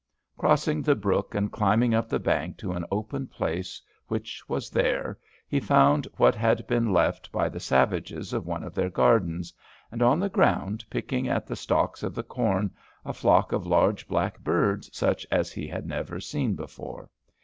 Crossing the brook and climbing up the bank to an open place which was there, he found what had been left by the savages of one of their gardens, and on the ground, picking at the stalkes of the corne, a flocke of large blacke birds such as he had never seen before.